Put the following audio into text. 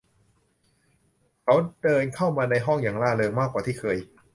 เขาเดินเข้ามาในห้องอย่างร่าเริงมากกว่าที่เคย